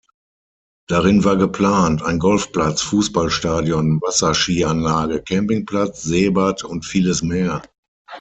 Darin war geplant, ein Golfplatz, Fußballstadion, Wasserskianlage, Campingplatz, Seebad und vieles mehr.